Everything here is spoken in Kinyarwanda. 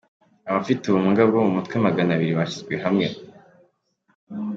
Abafite ubumuga bwo mu mutwe Magana abiri bashyizwe hamwe